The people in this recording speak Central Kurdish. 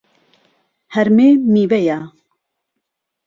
هەرمێ میوەیە.